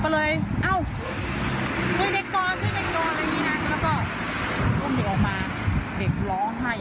แล้วก็พุ่มเด็กออกมาเด็กร้องให้